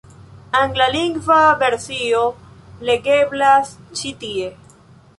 Anglalingva versio legeblas ĉi tie.